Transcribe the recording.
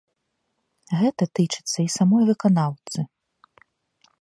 Гэта тычыцца і самой выканаўцы.